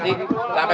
sampai ketemu kembali